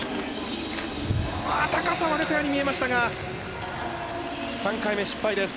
高さは出たように見えましたが３回目、失敗です。